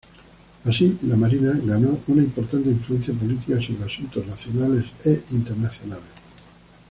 Así, la Marina ganó una importante influencia política sobre asuntos nacionales e internacionales.